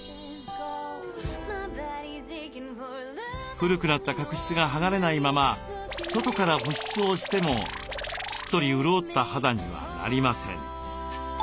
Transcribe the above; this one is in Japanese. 古くなった角質が剥がれないまま外から保湿をしてもしっとり潤った肌にはなりません。